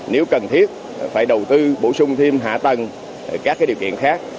nếu cần thiết phải đầu tư bổ sung thêm hạ tầng các điều kiện khác